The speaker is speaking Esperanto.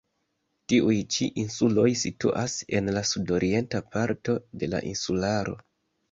Tiuj ĉi insuloj situas en la sudorienta parto de la insularo.